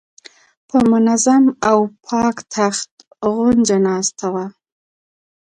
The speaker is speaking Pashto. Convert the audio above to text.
په منظم او پاک تخت غونجه ناسته وه.